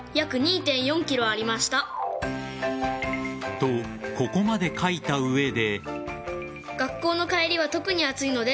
と、ここまで書いた上で。